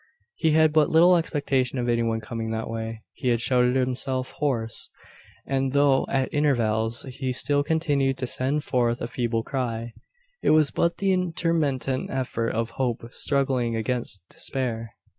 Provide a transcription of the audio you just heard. He had but little expectation of any one coming that way. He had shouted himself hoarse; and though, at intervals, he still continued to send forth a feeble cry, it was but the intermittent effort of hope struggling against despair.